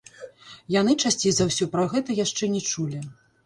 Яны, часцей за ўсё, пра гэта яшчэ не чулі.